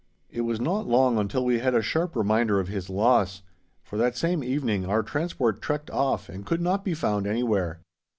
It was not long until we had a sharp reminder of his loss, for that same evening our transport trekked off and could not be found anywhere.